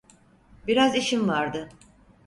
Biraz işim vardı.